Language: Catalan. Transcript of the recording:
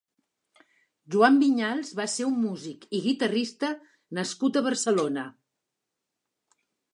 Joan Vinyals va ser un músic i guitarrista nascut a Barcelona.